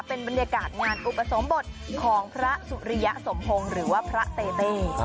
เป็นบรรยากาศงานของพระสุริยสมภงหรือภรรภเต่เต่